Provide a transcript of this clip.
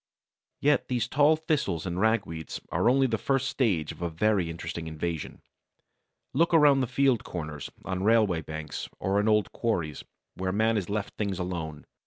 Yet these tall Thistles and Ragweeds are only the first stage of a very interesting invasion. Look around the field corners, on railway banks, or in old quarries, where man has left things alone.